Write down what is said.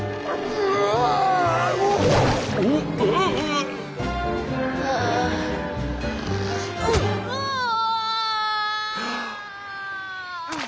うわあぁ。